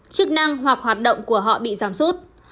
chức năng hoặc hoạt động của họ bị giảm sút